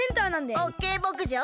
オッケーぼくじょう！